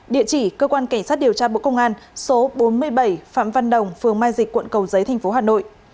địa chỉ cơ quan cảnh sát điều tra bộ công an số bốn mươi bảy phạm văn đồng phường mai dịch quận cầu giấy tp hà nội